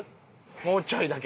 もうちょいだけ。